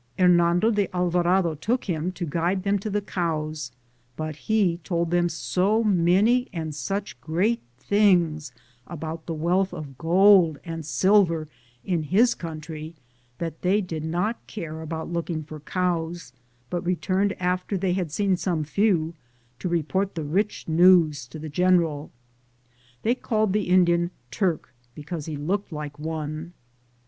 Hernando de Alvarado took him to guide them to the cows ; but he told them so many and such great things about the wealth of gold and silver in his country that they did not care about looking for cows, but returned after they had seen some few, to report the rich news to the general. They called the Indian "Turk," because he looked like one.